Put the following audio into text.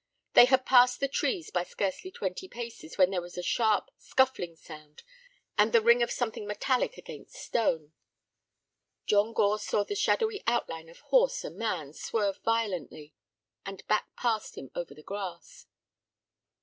They had passed the trees by scarcely twenty paces when there was a sharp, scuffling sound, and the ring of something metallic against stone. John Gore saw the shadowy outline of horse and man swerve violently, and back past him over the grass.